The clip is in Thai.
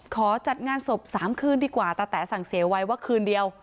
ขอจัดงานศพ๓คืนดีกว่าตาแต๋สั่งเสียไว้ว่าคืนเดียว